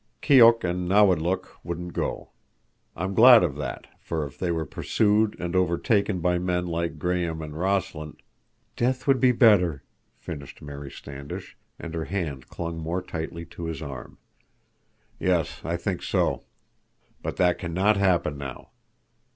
Keok and Nawadlook wouldn't go. I'm glad of that, for if they were pursued and overtaken by men like Graham and Rossland—" "Death would be better," finished Mary Standish, and her hand clung more tightly to his arm. "Yes, I think so. But that can not happen now.